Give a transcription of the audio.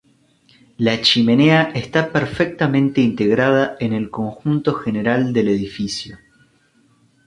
La chimenea está perfectamente integrada en el conjunto general del edificio.